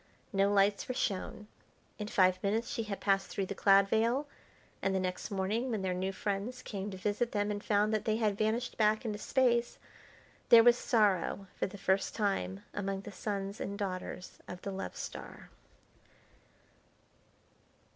No lights were shown. In five minutes she had passed through the cloud veil, and the next morning when their new friends came to visit them and found that they had vanished back into Space, there was sorrow for the first time among the sons and daughters of the Love Star.